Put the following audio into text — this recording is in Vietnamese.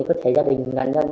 cơ thể gia đình nạn nhân